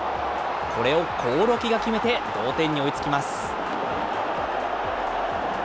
これを興梠が決めて、同点に追いつきます。